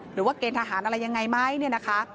หรือว่าเกณฑ์ทหารอะไรยังไงไหมเนี่ยนะคะ